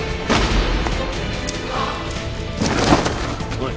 おい！